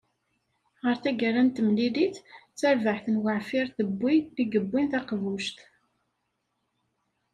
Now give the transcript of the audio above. Ɣer taggara n temlilit, d tarbaɛt n Weɛfirtewwi i yewwin taqbuct.